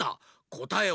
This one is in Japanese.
こたえは。